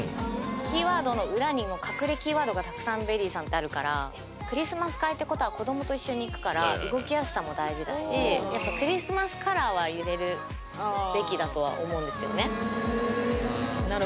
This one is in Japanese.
キーワードの裏にも隠れキーワードがたくさん「ＶＥＲＹ」さんってあるからクリスマス会ってことは子どもと一緒に行くから動きやすさも大事だしやっぱクリスマスカラーは入れるべきだとは思うんですよね